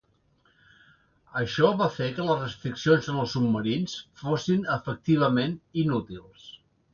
Això va fer que les restriccions en els submarins fossin efectivament inútils.